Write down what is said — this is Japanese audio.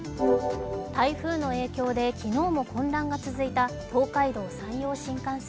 台風の影響で昨日も混乱が続いた東海道・山陽新幹線。